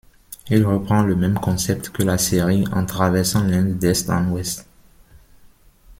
Il reprend le même concept que la série, en traversant l'Inde d'est en ouest.